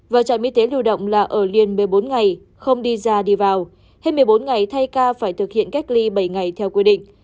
và trạm y tế lưu động là ở liên một mươi bốn ngày không đi ra đi vào hết một mươi bốn ngày thay ca phải thực hiện cách ly bảy ngày theo quy định